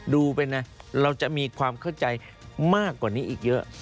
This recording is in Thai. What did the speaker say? ดูไปนะเราจะมีความเข้าใจมากกว่านี้อีกเยอะ